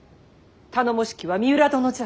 頼もしきは三浦殿じゃ。